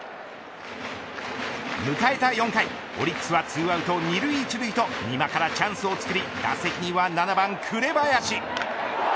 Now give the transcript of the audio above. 迎えた４回オリックスは２アウト２塁１塁と美馬からチャンスをつくり打席には７番、紅林。